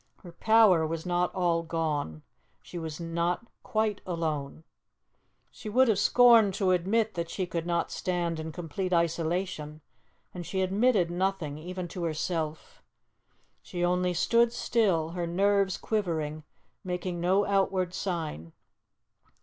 Her power was not all gone. She was not quite alone. She would have scorned to admit that she could not stand in complete isolation, and she admitted nothing, even to herself. She only stood still, her nerves quivering, making no outward sign.